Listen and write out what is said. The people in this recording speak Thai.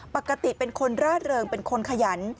ปกติเป็นคนร่าเริงเป็นคนขยัน